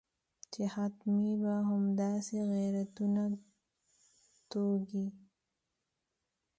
چې حتمي به همداسې غیرتونه توږي.